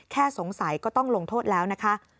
แค่สงสัยก็ต้องลงโทษแล้วนะคะ